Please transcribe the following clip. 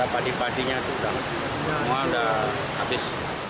padi padinya itu semua udah habis